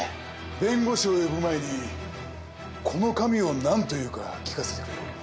弁護士を呼ぶ前にこの紙を何と言うか聞かせてくれ。